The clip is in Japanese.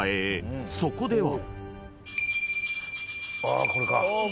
［そこでは］